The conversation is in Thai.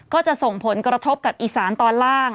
ก็จะส่งผลกระทบกับอีสานตอนล่าง